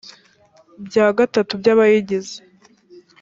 bya gatatu by abayigize